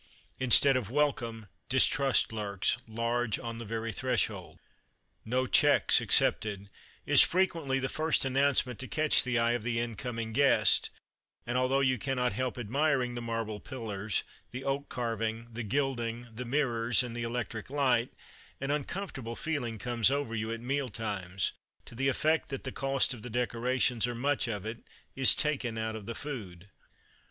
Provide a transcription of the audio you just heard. Instead of welcome, distrust lurks, large, on the very threshold. "No Cheques Accepted" is frequently the first announcement to catch the eye of the incoming guest; and although you cannot help admiring the marble pillars, the oak carving, the gilding, the mirrors, and the electric light, an uncomfortable feeling comes over you at meal times, to the effect that the cost of the decorations, or much of it, is taken out of the food.